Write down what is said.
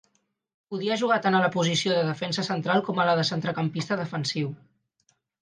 Podia jugar tant a la posició de defensa central com a la de centrecampista defensiu.